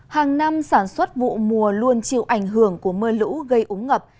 hàng năm sản xuất vụ mùa luôn chịu ảnh hưởng của mưa lũ gây úng ngập